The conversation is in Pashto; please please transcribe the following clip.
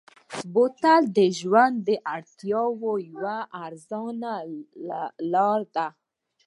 بوتل د ژوند د اړتیاوو یوه ارزانه حل لاره ده.